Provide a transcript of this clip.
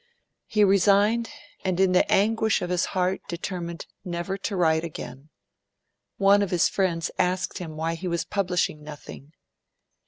He resigned, and in the anguish of his heart, determined never to write again. One of his friends asked him why he was publishing nothing.